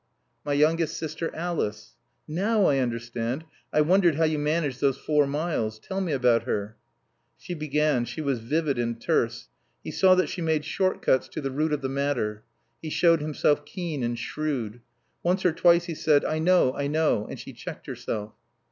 "My youngest sister, Alice." "Now I understand. I wondered how you managed those four miles. Tell me about her." She began. She was vivid and terse. He saw that she made short cuts to the root of the matter. He showed himself keen and shrewd. Once or twice he said "I know, I know," and she checked herself.